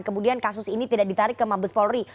kemudian kasus ini tidak ditarik ke mabes polri